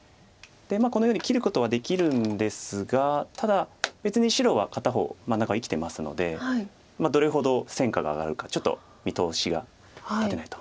このように切ることはできるんですがただ別に白は片方真ん中は生きてますのでどれほど戦果が挙がるかちょっと見通しが立たないと。